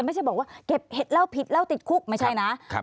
ไม่ใช่บอกว่าเก็บเห็ดเล่าผิดแล้วติดคุกไม่ใช่นะ